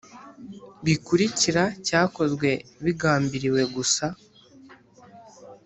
bikurikira cyakozwe bigambiriwe gusa